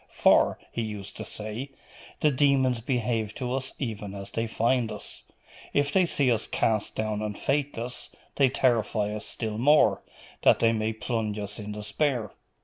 "For," he used to say, "the demons behave to us even as they find us. If they see us east down and faithless, they terrify us still more, that they may plunge us in despair.